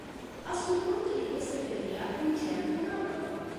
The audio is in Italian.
A supporto di questa teoria non c'è alcuna prova.